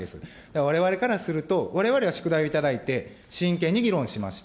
われわれからすると、われわれは宿題をいただいて、真剣に議論しました。